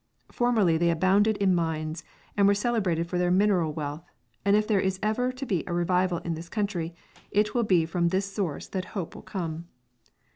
Formerly they abounded in mines, and were celebrated for their mineral wealth, and if there is ever to be a revival in this country it will be from this source that hope will come.